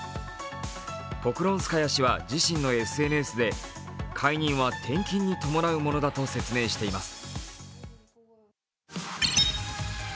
ポクロンスカヤ氏は自身のＳＮＳで解任は転勤に伴うものだと説明しています。